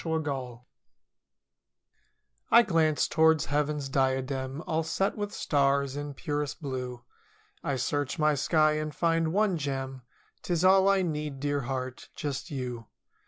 JUST YOU I glance towards Heaven's diadem All set with stars in purest blue — I search my sky and find one gem— 'Tis all I need, dear heart, just you.